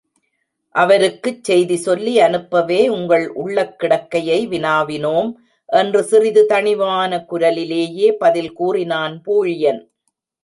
அவருக்குச் செய்தி சொல்லி அனுப்பவே உங்கள் உள்ளக்கிடக்கையை வினாவினோம் என்று சிறிது தணிவான குரலிலேயே பதில் கூறினான் பூழியன்.